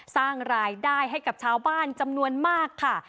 สร้างรายได้ให้กับชาวบ้านจำนวนมากค่ะ